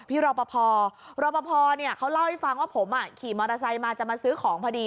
รอปภรอปภเขาเล่าให้ฟังว่าผมขี่มอเตอร์ไซค์มาจะมาซื้อของพอดี